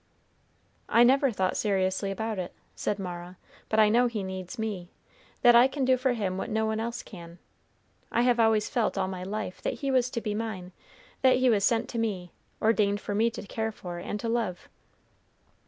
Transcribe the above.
"I never thought seriously about it," said Mara; "but I know he needs me; that I can do for him what no one else can. I have always felt all my life that he was to be mine; that he was sent to me, ordained for me to care for and to love."